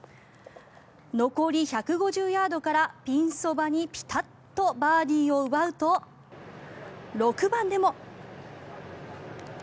残り１５０ヤードからピンそばにピタッとバーディーを奪うと６番でも。